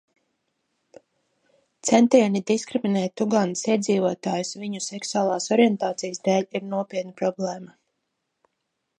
Centieni diskriminēt Ugandas iedzīvotājus viņu seksuālās orientācijas dēļ ir nopietna problēma.